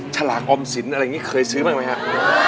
ฉลากออมสินอะไรอย่างนี้เคยซื้อบ้างไหมครับ